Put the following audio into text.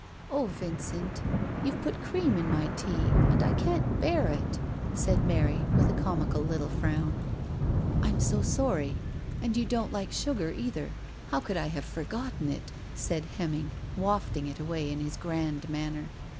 "O Vincent! YouVe put cream in my tea, and I can't bear it," said Mary, with a comical little frown. "I'm so sorry, and you don't like sugar either. How could I have forgotten it?" said Hemming, wafting it away in his grand manner.